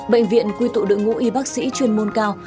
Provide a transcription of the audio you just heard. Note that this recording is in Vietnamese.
bệnh viện quy tụ đội ngũ y bác sĩ chuyên môn cao